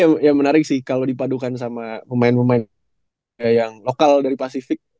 tapi yang menarik sih kalo dipadukan sama pemain pemain yang lokal dari pacific